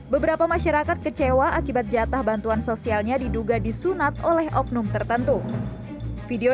beberapa masyarakat kecewa akibat jatah bantuan sosialnya diduga disunat oleh oknum tertentu video